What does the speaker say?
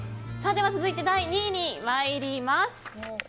続いて第２位に参ります。